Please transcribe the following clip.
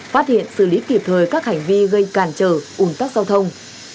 phát hiện xử lý kịp thời các hành vi gây càn trở ung tắc giao thông